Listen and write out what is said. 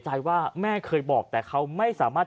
ชาวบ้านญาติโปรดแค้นไปดูภาพบรรยากาศขณะ